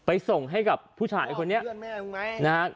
ไปส่งให้กับผู้ชายคนนี้นะฮะ